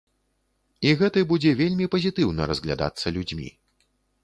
І гэты будзе вельмі пазітыўна разглядацца людзьмі.